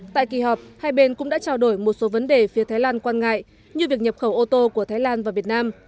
tại kỳ họp hai bên cũng đã trao đổi một số vấn đề phía thái lan quan ngại như việc nhập khẩu ô tô của thái lan và việt nam